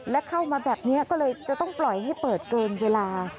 และเข้ามาแบบนี้ก็เลยจะต้องปล่อยให้เปิดเกินเวลา